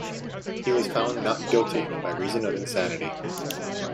He was found not guilty by reason of insanity.